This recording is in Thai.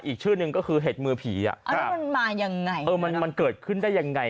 อีกชื่อหนึ่งก็คือเห็ดมือผีอ่ะแล้วมันมายังไงเออมันมันเกิดขึ้นได้ยังไง